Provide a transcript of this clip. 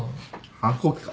反抗期か。